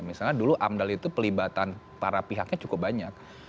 misalnya dulu amdal itu pelibatan para pihaknya cukup banyak